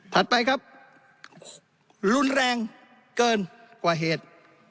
ไปครับรุนแรงเกินกว่าเหตุ